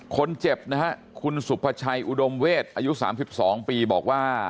คนเจ็บนะฮะคุณสุภาชัยอุดมเวศอายุ๓๒ปีบอกว่า